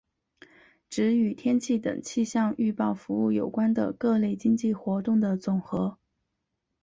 指与天气等气象预报服务有关的各类经济活动的总和。